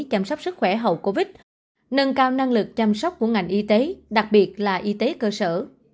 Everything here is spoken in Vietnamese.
chăm sóc sức khỏe hậu covid nâng cao năng lực chăm sóc của ngành y tế đặc biệt là y tế cơ sở